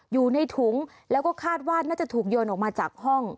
อยู่ในถุงแล้วก็คาดว่าน่าจะถูกโยนออกมาจากห้อง